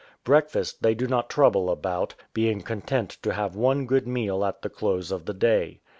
Breakfast they do not trouble about, being content to have one good meal at the close of the day.